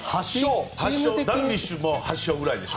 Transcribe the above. ダルビッシュ投手も８勝ぐらいでしょ。